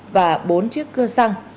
và bốn chiếc cưa xăng